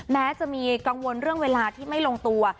แม้จะมีกังวลเรื่องเวลาที่ไม่ลงตัว